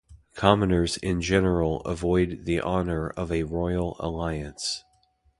Commoners in general avoid the honor of a royal alliance.